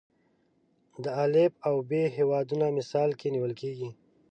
د الف او ب هیوادونه مثال کې نیول کېږي.